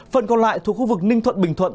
phần còn lại thuộc khu vực ninh thuận bình thuận